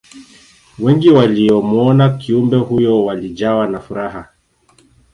wengi waliyomuona kiumbe huyo walijawa na furaha